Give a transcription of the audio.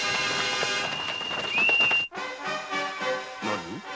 何？